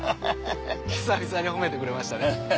久々に褒めてくれましたね。